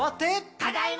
ただいま！